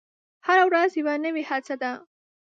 هره ورځ یوه نوې هڅه ده.